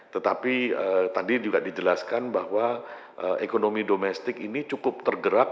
tetapi tadi juga dijelaskan bahwa ekonomi domestik ini cukup tergerak